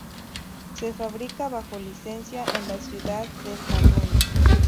Se fabrica bajo licencia en la ciudad de Falun.